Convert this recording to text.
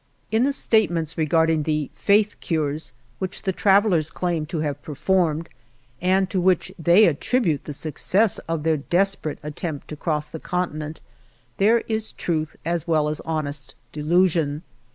In the statements regarding the "faith cures" which the travellers claim to have performed, and to which they attribute the INTRODUCTION success of their desperate attempt to cross the continent, there is truth as well as hon est delusion.